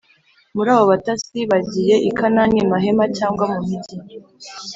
Muri abo batasi bagiye i Kanani mahema cyangwa mu mijyi